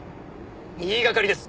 言いがかりです。